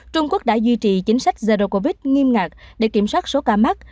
trung quốc đã duy trì chính sách zero covid nghiêm ngặt để kiểm soát số ca mắc